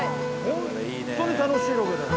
本当に楽しいロケだな。